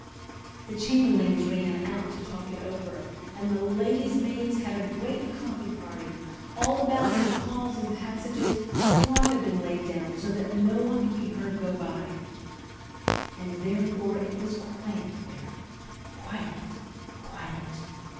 The chamberlains ran out to talk it over, and the ladies' maids had a great coffee party. All about, in all the halls and passages, cloth had been laid down so that no one could be heard go by, and therefore it was quiet there, quite quiet.